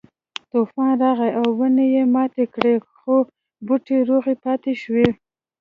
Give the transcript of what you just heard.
طوفان راغی او ونه یې ماته کړه خو بوټی روغ پاتې شو.